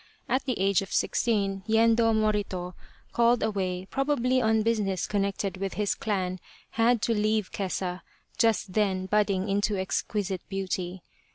At the age of sixteen, Yendo Morito, called away probably on business connected with his clan, had to leave Kesa, just then budding into exquisite beauty.